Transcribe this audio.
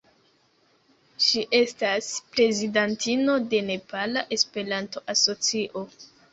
Ŝi estas prezidantino de Nepala Esperanto-Asocio.